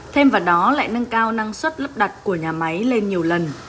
thêm vào đó lại nâng cao năng suất lắp đặt của nhà máy lên nhiều lần